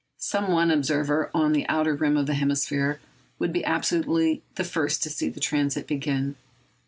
Some one observer on the outer rim of the hemisphere would be absolutely the first to see the transit begin.